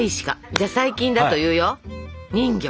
じゃあ最近だと言うよ「人魚」。